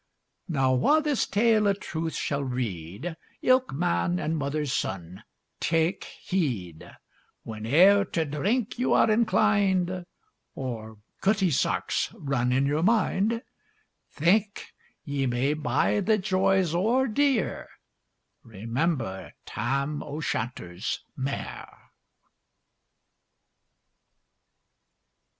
Now, wha this tale o' truth shall read, Ilk man and mother's son, take heed: Whene'er to drink you are inclined, Or cutty sarks run in your mind, Think, ye may buy the joys o'er dear Remember Tam o' Shanter's mare.